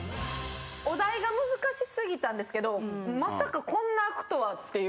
お題が難しすぎたんですけどまさかこんな開くとはっていう。